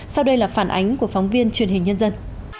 sau đây là phản ánh của phóng viên truyền hình nhân dân